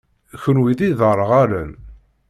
Kenwi d iderɣalen?